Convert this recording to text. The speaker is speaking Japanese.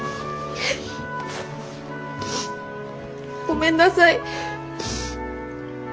ごめんなさい。